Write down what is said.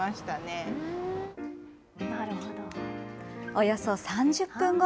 およそ３０分後。